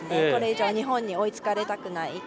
これ以上日本に追いつかれたくない。